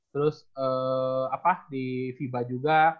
terus di fiba juga